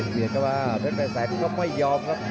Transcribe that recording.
เบียดก็ว่าเพชรแม่แสนก็ไม่ยอมครับ